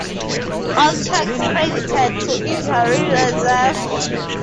All tracks credited to Injury Reserve.